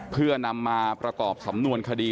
เพื่อนำมาประกอบสำนวนคดี